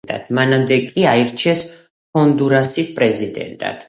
მანამდე კი იგი აირჩიეს ჰონდურასის პრეზიდენტად.